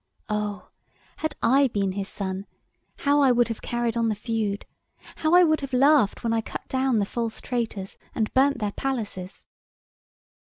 Oh! had I been his son, how I would have carried on the feud! How I would have laughed when I cut down the false traitors, and burnt their palaces!"